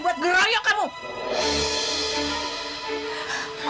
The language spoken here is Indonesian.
l adding kedua